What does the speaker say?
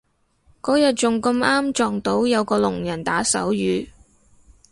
嗰日仲咁啱撞到有個聾人打手語